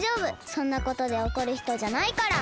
そんなことでおこるひとじゃないから！